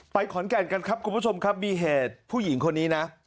ขอนแก่นกันครับคุณผู้ชมครับมีเหตุผู้หญิงคนนี้นะ